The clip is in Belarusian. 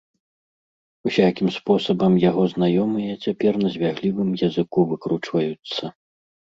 Усякім спосабам яго знаёмыя цяпер на звяглівым языку выкручваюцца.